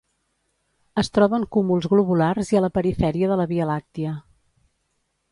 Es troben cúmuls globulars i a la perifèria de la Via Làctia.